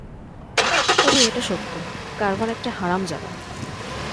তবে এটা সত্য, কার্ভার একটা হারামজাদা।